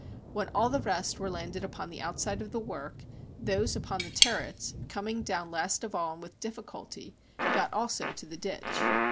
When all the rest were landed upon the outside of the work, those upon the turrets, com ing down last of all and with difficulty, got also to the ditch.